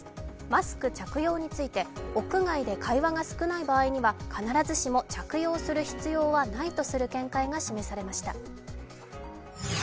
マスク着用について屋外で会話が少ない場合には必ずしも着用する必要はないとする見解が示されました。